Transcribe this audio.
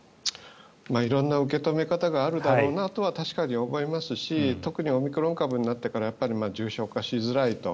色んな受け止め方があるだろうなとは確かに思いますし特にオミクロン株になってから重症化しづらいと。